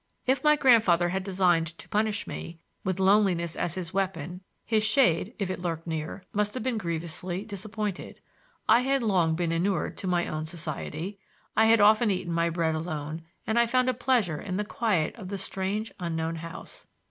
If my grandfather had designed to punish me, with loneliness as his weapon, his shade, if it lurked near, must have been grievously disappointed. I had long been inured to my own society. I had often eaten my bread alone, and I found a pleasure in the quiet of the strange unknown house.